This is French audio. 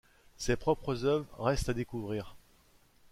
Ses propres œuvres restent à découvrir.